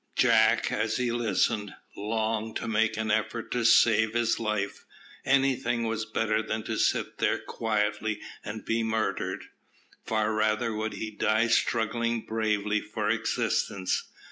Jack, as he listened, longed to make an effort to save his life; anything was better than to sit there quietly and be murdered. Far rather would he die struggling bravely for existence.